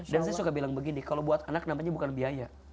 dan saya suka bilang begini kalau buat anak namanya bukan biaya